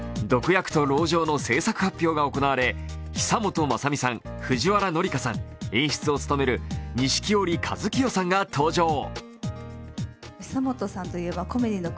「毒薬と老嬢」の制作発表が行われ久本雅美さん、藤原紀香さん、演出を務める錦織一清さんが登場。